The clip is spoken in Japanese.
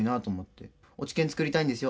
「落研作りたいんですよ」